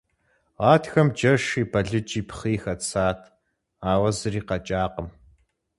Гъатхэм джэши, балыджи, пхъыи хэтсат, ауэ зыри къэкӏакъым.